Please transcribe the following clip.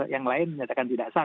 yang lain menyatakan tidak sah